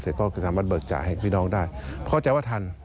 ก็จะสามารถเบิกจ่ายให้พี่น้องได้เข้าใจว่าทัน